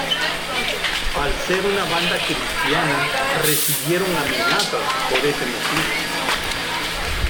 Al ser una banda cristiana recibieron amenazas por ese motivo.